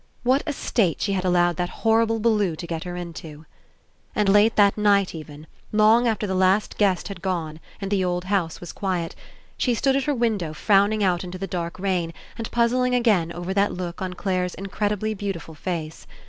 What a state she had allowed that hor rible Bellew to get her into ! And late that night, even, long after the last guest had gone and the old house was quiet, she stood at her window frowning out Into the dark rain and puzzling again over that look on Clare's incredibly beautiful face.